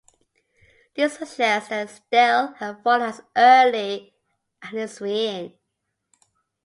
This suggests that the stele had fallen as early as his reign.